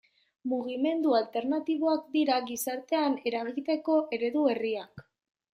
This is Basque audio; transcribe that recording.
Mugimendu alternatiboak dira gizartean eragiteko eredu berriak.